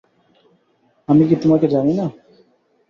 আমি কি তোমাকে জানি না?